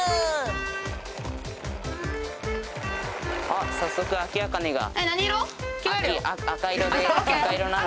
あっ早速アキアカネが。